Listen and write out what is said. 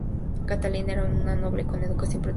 Catalina era una noble con educación protestante.